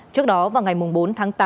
trước đó vào ngày bốn tháng tám